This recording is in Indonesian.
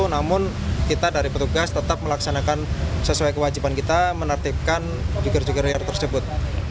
namun kita dari petugas tetap melaksanakan sesuai kewajiban kita menertibkan jukir jukir liar tersebut